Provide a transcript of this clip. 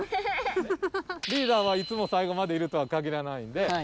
リーダーはいつも最後までいるとはかぎらないんで。